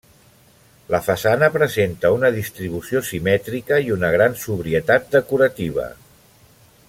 La façana presenta una distribució simètrica i una gran sobrietat decorativa.